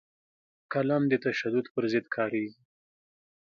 قلم د تشدد پر ضد کارېږي